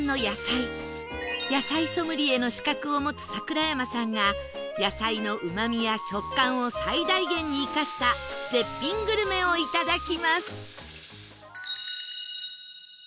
野菜ソムリエの資格を持つ櫻山さんが野菜のうまみや食感を最大限に生かした絶品グルメをいただきます